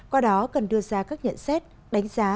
qua đó cần đưa ra các nhận xét đánh giá